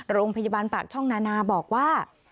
โรงพยาบาลปากช่องนานาบอกว่า